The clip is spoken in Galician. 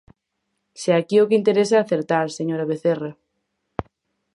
Se aquí o que interesa é acertar, señora Vecerra.